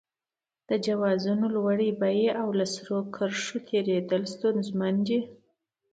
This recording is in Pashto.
د جوازونو لوړې بیې او له سرو کرښو تېرېدل ستونزمن دي.